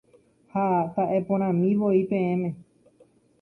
Ha ta'eporãmivoi peẽme.